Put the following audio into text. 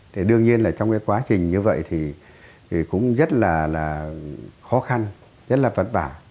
thì đương nhiên là trong cái quá trình như vậy thì cũng rất là khó khăn rất là vất vả